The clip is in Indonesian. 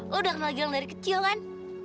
lo udah kenal gilang dari kecil kan